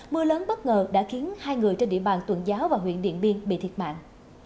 mưa lớn bất ngờ đã khiến hai người trên địa bàn tuần giáo và huyện điện biên bị thiệt mạng